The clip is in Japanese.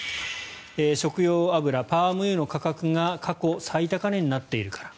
食用油、パーム油の価格が過去最高値になっているから。